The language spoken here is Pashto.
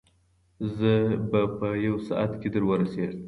زه به په یو ساعت کې در ورسېږم.